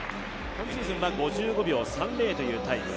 今シーズンは５５秒３０というタイム。